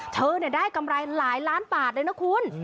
เธอได้กำไรหลายล้านบาทเลยนะคุณ